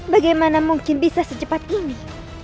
bagaimana mungkin bisa secepat ini